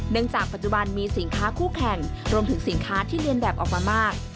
จากปัจจุบันมีสินค้าคู่แข่งรวมถึงสินค้าที่เรียนแบบออกมามาก